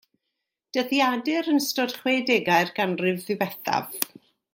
Dyddiadur yn ystod chwedegau'r ganrif ddiwethaf.